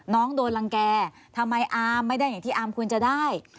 น้องโดนรังแก่ทำไมอามไม่ได้อย่างที่อามควรจะได้